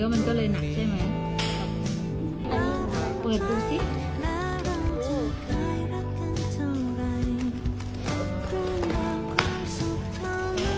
อันนี้เปิดดูสิ